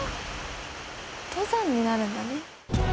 登山になるんだね。